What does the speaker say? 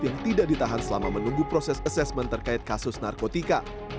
yang tidak ditahan selama menunggu proses asesmen terkait kasus narkotika